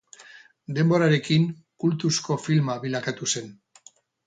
Denborarekin kultuzko filma bilakatu zen.